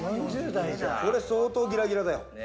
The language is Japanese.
相当ギラギラだよ。